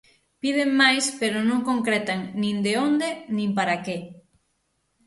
Piden máis pero non concretan nin de onde nin para que.